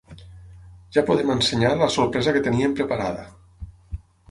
Ja podem ensenyar la sorpresa que teníem preparada.